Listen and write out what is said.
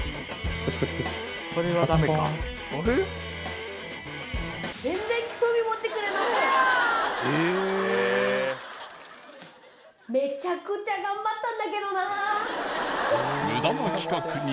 こっちええっへえめちゃくちゃ頑張ったんだけどな